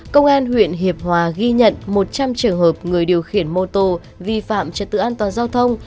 công an huyện hiệp hòa ghi nhận một trăm linh trường hợp người điều khiển mô tô vi phạm trật tự an toàn giao thông